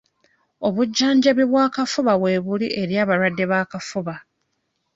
Obujjanjabi bw'akafuba weebuli eri abalwadde b'akafuba.